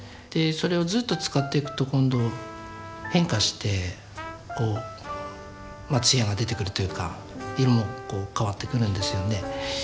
それをずっと使っていくと今度変化して艶が出てくるというか色も変わってくるんですよね。